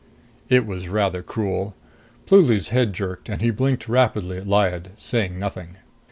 It was rather cruel. Pluly's head jerked, and he blinked rapidly at Lyad, saying nothing.